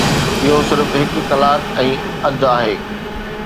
اهو صرف هڪ ڪلاڪ ۽ اڌ آهي.